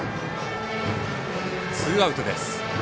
ツーアウトです。